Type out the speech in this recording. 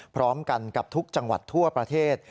พร้อมกันกับทุกจังหวัดทั่วประเทศ